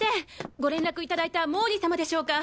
ご連絡いただいた毛利様でしょうか？